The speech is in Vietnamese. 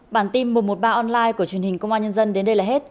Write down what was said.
bản tin một trăm một mươi ba online của truyền hình công an nhân dân đến đây là hết